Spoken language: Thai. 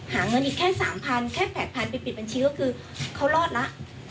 หาเงินอีกแค่สามพันแค่แผดพันไปปิดบัญชีก็คือเขารอดละ